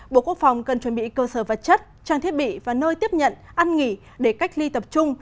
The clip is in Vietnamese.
bộ quốc phòng cần chuẩn bị cơ sở vật chất trang thiết bị và nơi tiếp nhận ăn nghỉ để cách ly tập trung